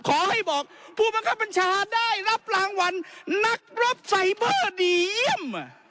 ขอให้บอกผู้บังคับบัญชาได้รับรางวัลนักรบไซเบอร์ดีเยี่ยม